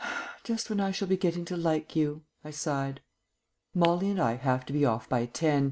"Just when I shall be getting to like you," I sighed. "Molly and I have to be off by ten.